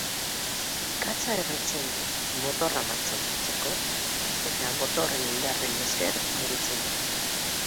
Ikatza erretzen du motorra martxan jartzeko, eta motorren indarrei esker mugitzen da.